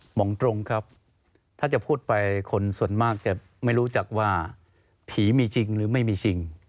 มองตรงครับถ้าจะพูดไปคนส่วนมากจะไม่รู้จักว่าผีมีจริงหรือไม่มีจริง